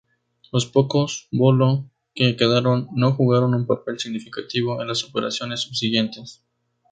Los pocos "Bolo" que quedaron no jugaron un papel significativo en las operaciones subsiguientes.